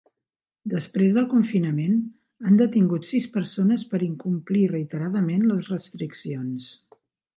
Després del confinament, han detingut sis persones per incomplir reiteradament les restriccions.